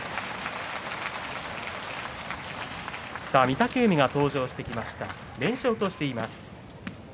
御嶽海が登場してきました連勝としています。